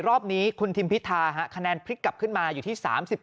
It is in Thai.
รอบนี้คุณทิมพิธาคะแนนพลิกกลับขึ้นมาอยู่ที่๓๘